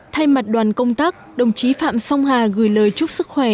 thay mặt đoàn công tác đồng chí phạm song hà gửi lời chúc sức khỏe